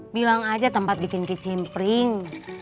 bilang aja tempat bikin kicimpring